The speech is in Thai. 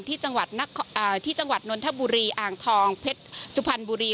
ที่จังหวัดนนทบุรีอ่างทองเพชรสุพรรณบุรี